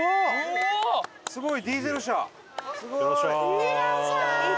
いってらっしゃい！